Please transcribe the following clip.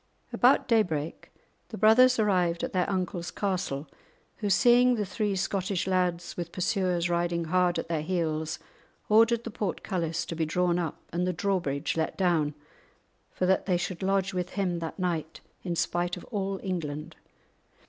About daybreak the brothers arrived at their uncle's castle, who, seeing the three Scottish lads with pursuers riding hard at their heels, ordered the portcullis to be drawn up and the drawbridge let down, for that they should lodge with him that night in spite of all England.